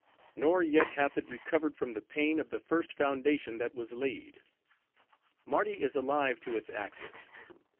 Nor yet, hath it recovered from the pain of the first foundation that was laid. Mardi is alive to its axis.